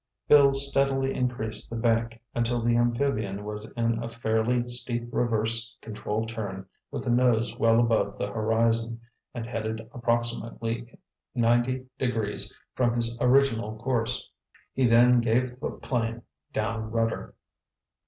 Bill steadily increased the bank until the amphibian was in a fairly steep reverse control turn with the nose well above the horizon, and headed approximately 90 degrees from his original course. He then gave the plane down rudder.